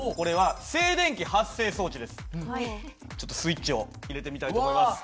これはちょっとスイッチを入れてみたいと思います。